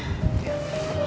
mas aku mau pergi